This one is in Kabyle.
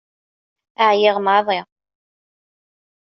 Ԑyiɣ maḍi.